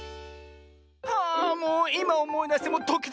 はあもういまおもいだしてもドキドキ！